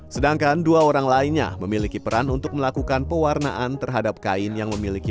sedangkan dua orang lainnya memiliki peran untuk melakukan pewarnaan terhadap kain yang memiliki